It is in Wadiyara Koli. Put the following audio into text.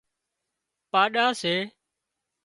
پاڏا سي